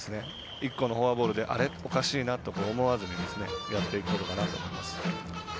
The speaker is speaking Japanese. １個のフォアボールであれ、おかしいなと思わずにやっていくことかなと思います。